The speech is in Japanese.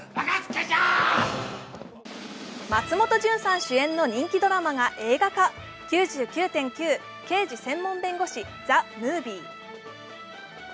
松本潤さん主演のドラマが映画化、「９９．９−刑事専門弁護士−ＴＨＥＭＯＶＩＥ」。